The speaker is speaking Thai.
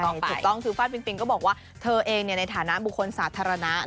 ถูกต้องซื้อฟันปิ๊งก็บอกว่าเธอเองในฐานะบุคคลสาธารณะ